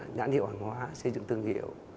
nhãn hiệu hàng hóa xây dựng thương hiệu